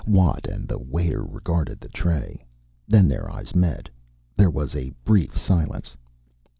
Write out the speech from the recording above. Watt and the waiter regarded the tray. Then their eyes met. There was a brief silence.